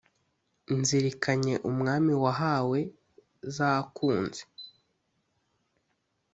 Nzirikanye Umwami wahawe zakunze,